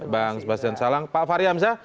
bang sebastian salang pak fahri hamzah